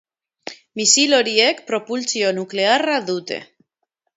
Misil horiek propultsio nuklearra dute.